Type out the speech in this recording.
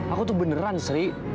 aku tuh beneran sri